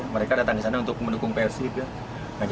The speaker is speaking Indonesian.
mereka datang ke sana untuk mendukung plc